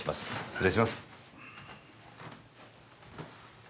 失礼します！